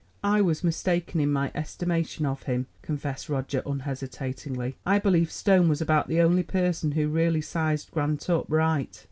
"I was mistaken in my estimation of him," confessed Roger unhesitatingly. "I believe Stone was about the only person who really sized Grant up right."